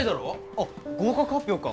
あっ合格発表か。